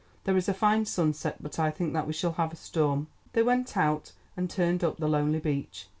"There is a fine sunset—but I think that we shall have a storm." They went out, and turned up the lonely beach.